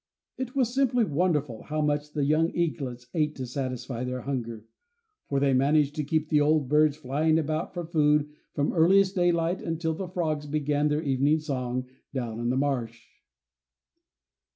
It was simply wonderful how much the young eaglets ate to satisfy their hunger; for they managed to keep the old birds flying about for food from earliest daylight until the frogs began their evening song down in the marsh.